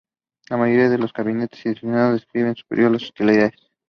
La mayoría de los combatientes, desilusionados, decidió suspender las hostilidades.